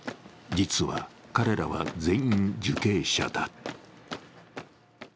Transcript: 実は彼らは全員、受刑者だ。